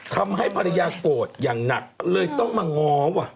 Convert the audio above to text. ทำให้ภรรยาโกรธอย่างหนักเลยต้องมาง้อว่ะ